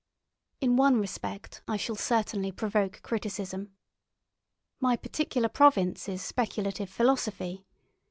In one respect I shall certainly provoke criticism. My particular province is speculative philosophy.